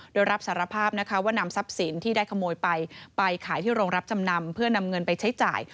โดยรับสารภาพนะคะว่านำทรัพย์สินที่ได้ขโมยไปไปขายที่โรงรับจำนำเพื่อนำเงินไปใช้จ่าย